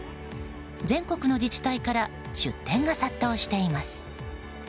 全国の自治体から出店が殺到しています。